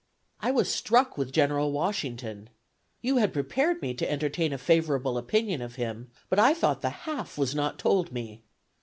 ... "I was struck with General Washington. You had prepared me to entertain a favorable opinion of him, but I thought the half was not told me.